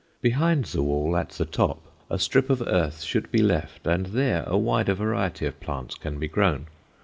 Behind the wall, at the top, a strip of earth should be left and there a wider variety of plants can be grown.